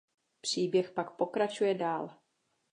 Příběh pak pokračuje dál.